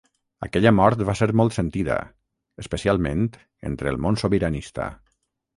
Aquella mort va ser molt sentida, especialment entre el món sobiranista.